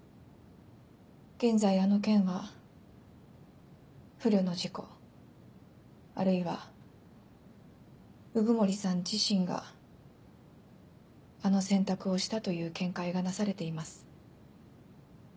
現在あの件は不慮の事故あるいは鵜久森さん自身があの選択をしたという見解がなされています。